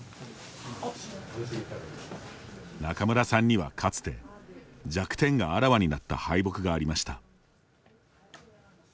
仲邑さんにはかつて弱点があらわになった敗北がありました。